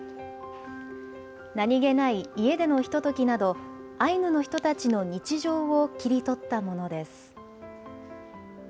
何気ない家でのひとときなど、アイヌの人たちの日常を切り取ったものです。